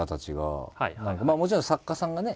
もちろん作家さんがね